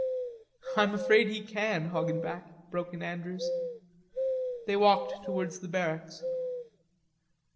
"I'm afraid he can, Hoggenback," broke in Andrews. They walked towards the barracks.